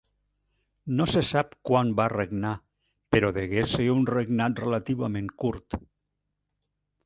No se sap quan va regnar però degué ser un regnat relativament curt.